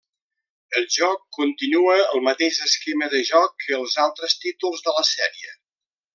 El joc continua el mateix esquema de joc que els altres títols de la sèrie.